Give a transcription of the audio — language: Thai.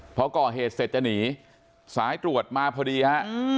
พอก่อเหตุเสร็จจะหนีสายตรวจมาพอดีฮะ